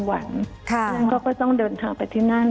แล้วก็ต้องเดินทางไปที่นั่น